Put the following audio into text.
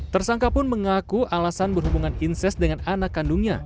tersangka pun mengaku alasan berhubungan inses dengan anak kandungnya